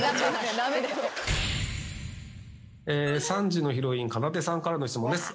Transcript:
３時のヒロインかなでさんからの質問です。